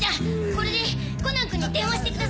これでコナンくんに電話してください。